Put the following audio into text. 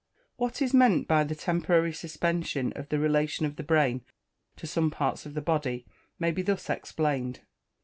What is meant by the temporary suspension of the relation of the brain to some parts of the body, may be thus explained.